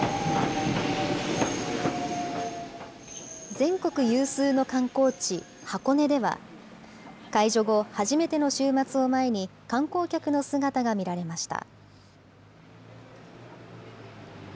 全国有数の観光地、箱根では、解除後、初めての週末を前に観光客の姿が見られました。